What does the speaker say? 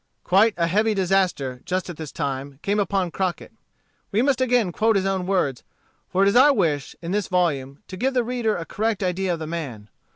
Quite a heavy disaster, just at this time, came upon Crockett. We must again quote his own words, for it is our wish, in this volume, to give the reader a correct idea of the man.